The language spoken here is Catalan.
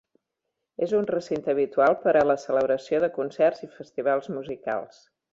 És un recinte habitual per a la celebració de concerts i festivals musicals.